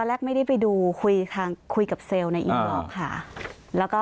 ตอนแรกไม่ได้ไปดูคุยกับเซลล์ในอีนล็อกค่ะ